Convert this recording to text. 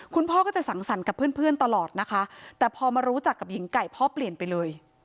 คุณพ่อก็จะสังสรรค์กับเพื่อนตลอดนะคะแต่พอมารู้จักกับหญิงไก่พ่อเปลี่ยนไปเลย